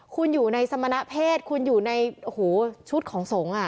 คุณอยู่ในสมณะเพศคุณอยู่ในโอ้โหชุดของสงฆ์อ่ะ